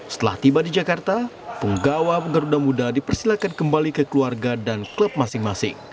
setelah tiba di jakarta penggawa peruda muda dipersilakan kembali ke keluarga dan klub masing masing